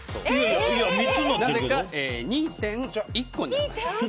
なぜか２．１個になります。